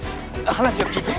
話を聞いて。